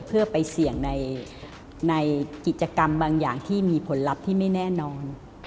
เพื่อไปเสี่ยงในกิจกรรมบางอย่างที่มีผลลัพธ์ที่ไม่แน่นอน